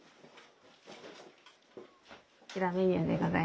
こちらメニューでございます。